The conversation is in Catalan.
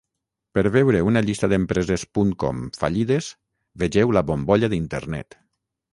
Per veure una llista d'empreses "punt com" fallides, vegeu "La bombolla d'Internet".